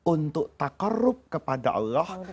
untuk takarruf kepada allah